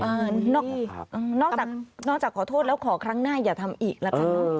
อ่านอกนอกจากนอกจากขอโทษแล้วขอครั้งหน้าอย่าทำอีกแล้วค่ะเออ